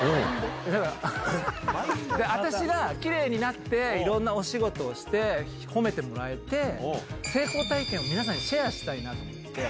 私がきれいになって、いろんなお仕事をして、褒めてもらえて、成功体験を皆さんにシェアしたいなと思ってて。